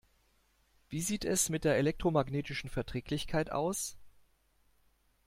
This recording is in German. Wie sieht es mit der elektromagnetischen Verträglichkeit aus?